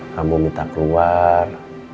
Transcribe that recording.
kamu minta keluar